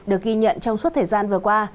được ghi nhận trong suốt thời gian vừa qua